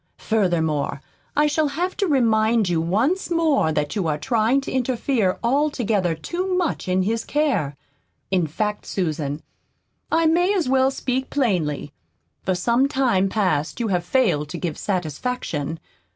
Furthermore, I shall have to remind you once more that you are trying to interfere altogether too much in his care. In fact, Susan, I may as well speak plainly. For some time past you have failed to give satisfaction.